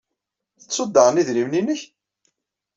Tettud daɣen idrimen-nnek?